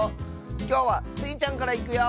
きょうはスイちゃんからいくよ！